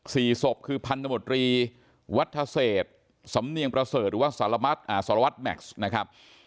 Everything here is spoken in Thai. ศพคือพันธมตรีวัฒเศษสำเนียงประเสริฐหรือว่าสารวัตรแม็กซ์นะครับ